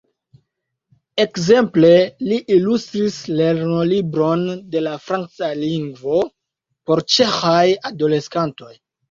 Ekzemple li ilustris lernolibron de la franca lingvo por ĉeĥaj adoleskantoj.